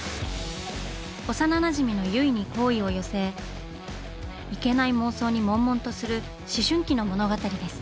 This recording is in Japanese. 幼なじみの結衣に好意を寄せいけない妄想に悶々とする思春期の物語です。